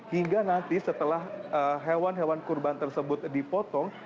hingga nanti setelah hewan hewan kurban tersebut dipotong